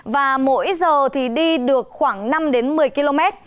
và mỗi giờ đi được khoảng năm đến một mươi km